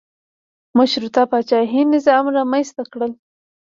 مشروطه پاچاهي نظام رامنځته کړل.